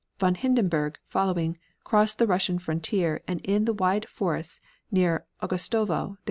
Von Hindenburg, following, crossed the Russian frontier and in the wide forests near Augustovo there was much fighting.